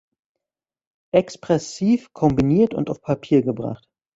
Expressiv kombiniert und auf Papier gebracht.